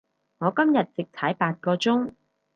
我今日直踩八個鐘